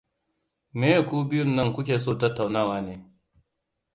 Me ku biyun nan ku ke so ku tattauna ne?